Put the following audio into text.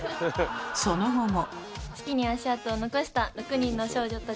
その後も。